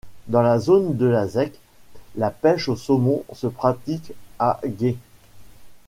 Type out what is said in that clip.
Dans la zone de la zec, la pêche au saumon se pratique à gué.